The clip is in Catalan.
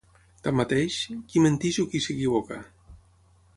Tanmateix, qui menteix o qui s’equivoca?